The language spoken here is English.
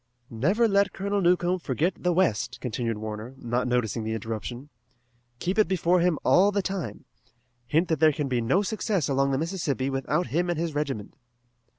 "Never let Colonel Newcomb forget the west," continued Warner, not noticing the interruption. "Keep it before him all the time. Hint that there can be no success along the Mississippi without him and his regiment."